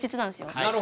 なるほど。